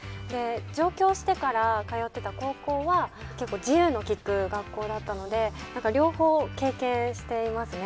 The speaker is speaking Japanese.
上京してから通ってた高校は結構自由の利く学校だったのでだから両方経験していますね